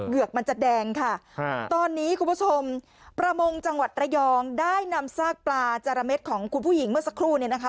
เหือกมันจะแดงค่ะตอนนี้คุณผู้ชมประมงจังหวัดระยองได้นำซากปลาจาระเด็ดของคุณผู้หญิงเมื่อสักครู่เนี่ยนะคะ